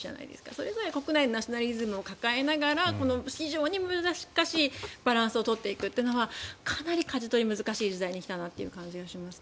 それぐらい国内でナショナリズムを抱えながら非常に難しいバランスを取っていくのはかなりかじ取りが難しい時代に来たなという感じがします。